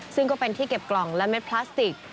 ซึ่งก็เป็นที่เก็บกล่องและเม็ดพลาสติก